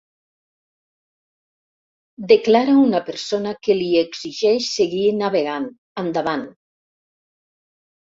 Declara una persona que li exigeix seguir navegant, endavant.